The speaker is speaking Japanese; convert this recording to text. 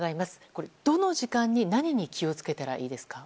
これ、どの時間に何に気をつけたらいいですか。